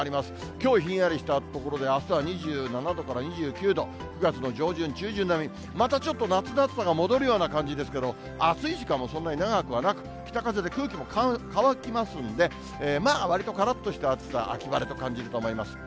きょうひんやりした所で、あすは２７度から２９度、９月の上旬、夏の暑さ戻るような感じですけど、暑い時間もそんなに長くはなく、北風で空気も乾きますので、わりとからっとした暑さ、秋晴れと感じると思います。